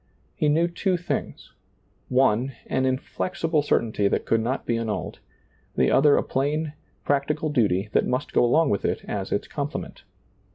He knew two things, — one, an inflexible certainty that could not be annulled ; the other, a plain, practical duty that must go along with it as its complement.